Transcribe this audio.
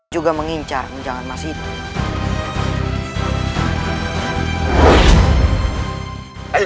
juga mengincar menjelang mas itu